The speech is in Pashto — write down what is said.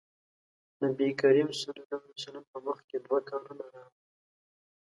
نبي کريم ص په مخکې دوه کارونه راغلل.